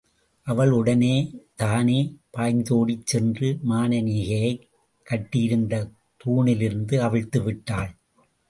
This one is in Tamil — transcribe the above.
அவள் உடனே தானே பாய்ந்தோடிச் சென்று மானனீகையைக் கட்டியிருந்த தூணிலிருந்து அவிழ்த்து விட்டாள்.